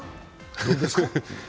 どうですか？